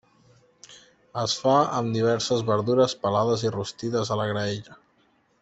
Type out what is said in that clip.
Es fa amb diverses verdures pelades i rostides a la graella.